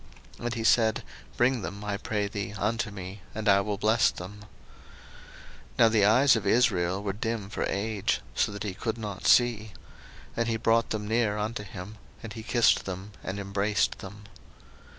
And he said, Bring them, I pray thee, unto me, and I will bless them. 01:048:010 Now the eyes of Israel were dim for age, so that he could not see. And he brought them near unto him; and he kissed them, and embraced them.